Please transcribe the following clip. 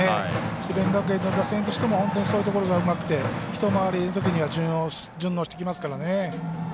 智弁学園の打線としても本当にそういうところがうまくてひと回り目のときに順応してきますからね。